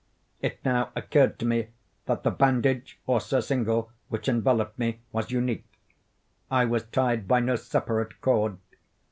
It now occurred to me that the bandage, or surcingle, which enveloped me, was unique. I was tied by no separate cord.